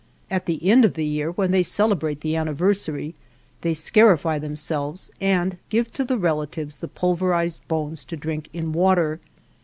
At the end of the year, when they celebrate the anniversary, they scarify themselves and give to the relatives the pulverized bones to drink in water.